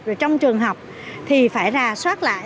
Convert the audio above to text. rồi trong trường học thì phải ra xoát lại